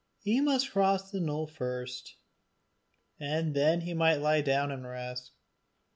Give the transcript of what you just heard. he must cross the knoll first, and then he might lie down and rest.